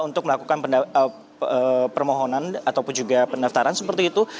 untuk melakukan permohonan ataupun juga pendaftaran seperti itu